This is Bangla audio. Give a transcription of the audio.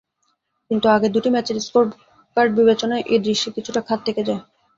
কিন্তু আগের দুটি ম্যাচের স্কোরকার্ড বিবেচনায় এই দৃশ্যে কিছুটা খাদ থেকে যায়।